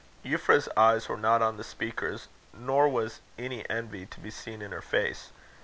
Euphrasia's eyes were not on the speakers, nor was any envy to be seen in her face.